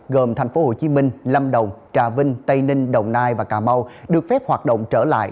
gồm tp hcm lâm đồng trà vinh tây ninh đồng nai và cà mau được phép hoạt động trở lại